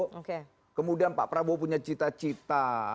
oke kemudian pak prabowo punya cita cita